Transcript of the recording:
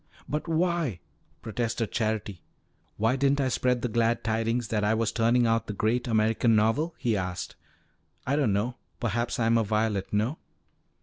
"But why " protested Charity. "Why didn't I spread the glad tidings that I was turning out the great American novel?" he asked. "I don't know. Perhaps I am a violet no?"